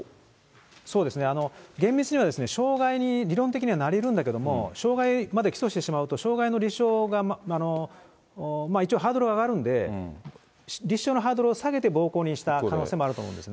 そうですね、厳密には傷害に、理論的にはなりうるんだけど、傷害まで起訴してしまうと、傷害の立証が一応、ハードルは上がるんで、立証のハードルを下げて、暴行にした可能性もあると思うんですね。